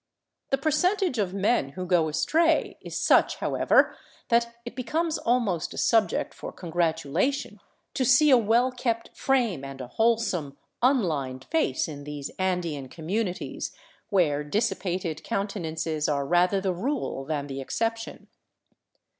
The percentage of men who go astray is such, however, that it becomes almost a subject for congratulation to isee a well kept frame and a wholesome, unlined face in these Andean communities, where dissipated countenances are rather the rule than the exception.